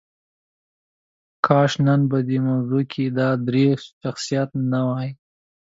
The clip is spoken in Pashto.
کاش نن په دې موضوع کې دا درې شخصیات نه وای.